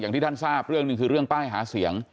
ที่ท่านทราบเรื่องหนึ่งคือเรื่องป้ายหาเสียง